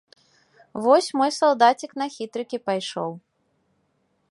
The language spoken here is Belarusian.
Вось мой салдацік на хітрыкі пайшоў.